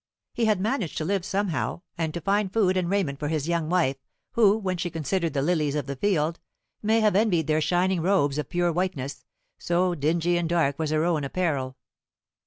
He had managed to live somehow, and to find food and raiment for his young wife, who, when she considered the lilies of the field, may have envied their shining robes of pure whiteness, so dingy and dark was her own apparel.